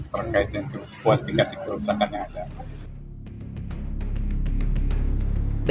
perkaitan kekuatikasi kerusakannya ada